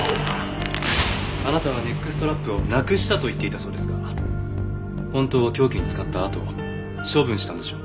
あなたはネックストラップをなくしたと言っていたそうですが本当は凶器に使ったあと処分したんでしょ？